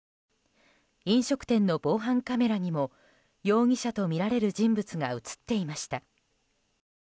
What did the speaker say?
飲食店の防犯カメラにも容疑者とみられる人物が映っていました。